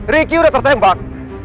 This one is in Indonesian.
ricky udah tertembak